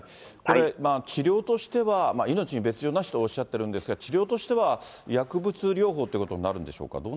これ、治療としては命に別状なしとおっしゃってるんですが、治療としては、薬物療法ということになるんでしょうか。